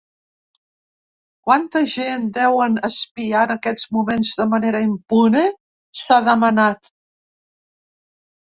Quanta gent deuen espiar en aquests moments de manera impune?, s’ha demanat.